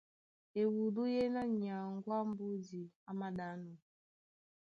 Ewudú yéná nyaŋgó á mbódi á māɗánɔ́,